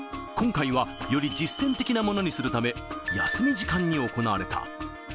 今回は、より実践的なものにするため、休み時間に行われた。